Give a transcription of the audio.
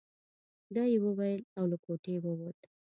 دا يې وويل او له کوټې ووت.